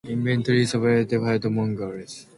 Eventually, Superman defeated Mongul.